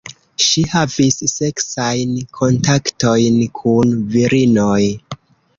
Ŝi havis seksajn kontaktojn kun virinoj.